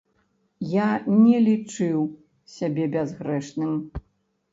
Я не лічыў сябе бязгрэшным.